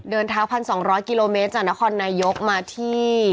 เดินเท้า๑๒๐๐กิโลเมตรจากนครนายกมาที่